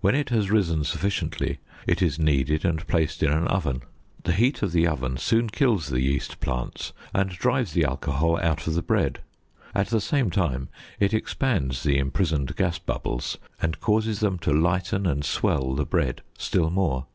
When it has risen sufficiently, it is kneaded and placed in an oven; the heat of the oven soon kills the yeast plants and drives the alcohol out of the bread; at the same time it expands the imprisoned gas bubbles and causes them to lighten and swell the bread still more.